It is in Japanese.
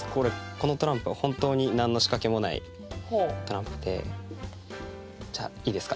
このトランプは本当に何の仕掛けもないトランプでじゃあいいですか？